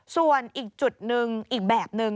ส่วนอีกจุดหนึ่งอีกแบบนึง